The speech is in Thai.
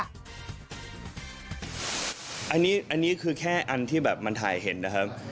อันนี้คือแค่อันที่แบบมันถ่ายเห็นนะครับ